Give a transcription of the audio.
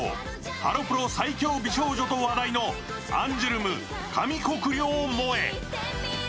ハロプロ最強美少女と話題のアンジュルム・上國料萌衣。